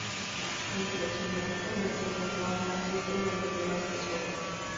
Entre los inconformes se encontraron Francisco y Emilio Vázquez Gómez.